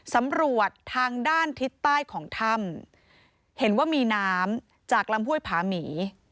สำรวจทางด้านทิศใต้ของถ้ำเห็นว่ามีน้ำจากลำห้วยผาหมี